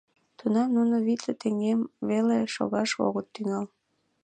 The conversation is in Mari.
Тунам нуно витле теҥгем веле шогаш огыт тӱҥал...